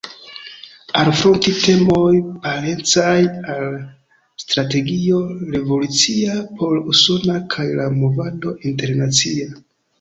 Alfronti temoj parencaj al strategio revolucia por Usono kaj la movado internacia.